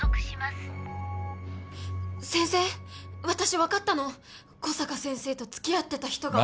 先生私分かったの小坂先生と付き合ってた人が。